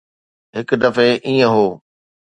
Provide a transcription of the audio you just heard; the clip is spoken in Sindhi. هڪ دفعي ائين هو.